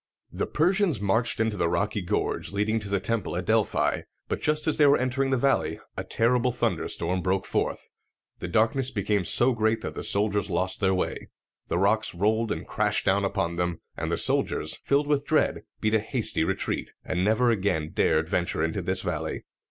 The Persians marched into the rocky gorge leading to the temple at Delphi, but just as they were entering the valley a terrible thunderstorm broke forth. The darkness became so great that the soldiers lost their way. The rocks rolled and crashed down upon them; and the soldiers, filled with dread, beat a hasty retreat, and never again dared venture into this valley.